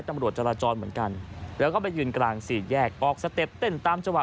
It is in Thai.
ตำรวจจราจรเหมือนกันแล้วก็ไปยืนกลางสี่แยกออกสเต็ปเต้นตามจว